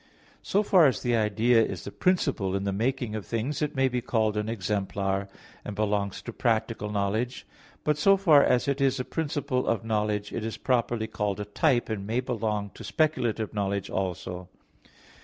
So far as the idea is the principle of the making of things, it may be called an "exemplar," and belongs to practical knowledge. But so far as it is a principle of knowledge, it is properly called a "type," and may belong to speculative knowledge also.